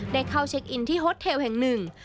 ได้เข้าเช็คอินที่โฮสเทลแห่งหนึ่ง